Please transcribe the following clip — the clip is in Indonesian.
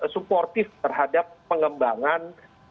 suportif terhadap pengembangan